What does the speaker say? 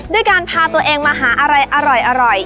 ด้วยการพาตัวเองมาหาอะไรอร่อย